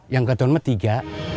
yang keton metiga